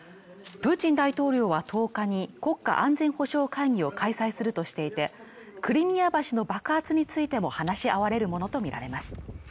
プーチン大統領は１０日に国家安全保障会議を開催するとしていてクリミア橋の爆発についても話し合われるものと見られます